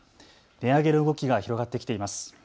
値上げの動きが広がってきています。